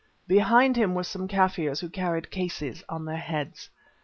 Behind him were some Kaffirs who carried cases on their heads.